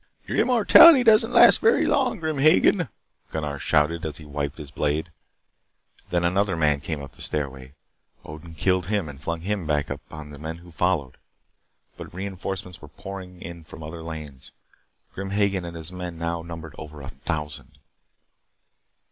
"Your immortality does not last very long, Grim Hagen," Gunnar shouted as he wiped his blade. Then another man came up the stairway. Odin killed him and flung him back upon the men who followed. But reinforcements were pouring in from other lanes. Grim Hagen and his men now numbered over a thousand.